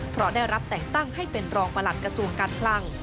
เพราะได้รับแต่งตั้งให้เป็นรองประหลัดกระทรวงการคลัง